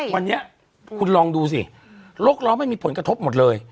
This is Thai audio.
วันนี้คุณลองดูสิโรคล้อไม่มีผลกระทบหมดเลย